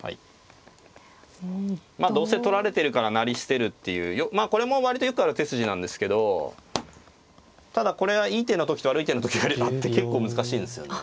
まあどうせ取られてるから成り捨てるっていうこれも割とよくある手筋なんですけどただこれはいい手の時と悪い手の時があって結構難しいんですよね。